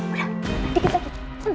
udah dikit lagi